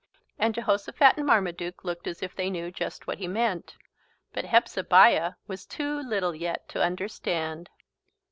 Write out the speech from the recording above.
And Jehosophat and Marmaduke looked as if they knew just what he meant. But Hepzebiah was too little yet to understand.